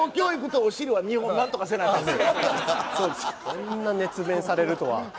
こんな熱弁されるとは。